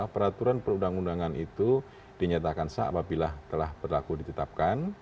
peraturan perundang undangan itu dinyatakan seapabila telah berlaku ditetapkan